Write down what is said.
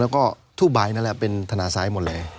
แล้วก็ทูบใบนั่นแหละเป็นธนาซ้ายหมดเลย